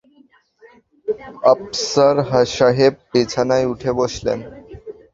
আফসার সাহেব বিছানায় উঠে বসলেন।